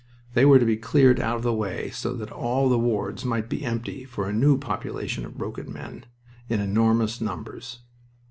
They were to be cleared out of the way so that all the wards might be empty for a new population of broken men, in enormous numbers.